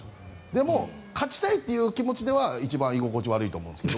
でも、勝ちたいという気持ちでは一番居心地が悪いと思うんですけど。